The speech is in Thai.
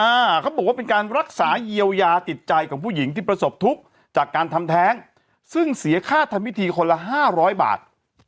เขาบอกว่าเป็นการรักษาเยียวยาจิตใจของผู้หญิงที่ประสบทุกข์จากการทำแท้งซึ่งเสียค่าทำพิธีคนละห้าร้อยบาท